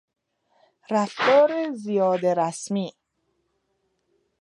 رفتار زیاده رسمی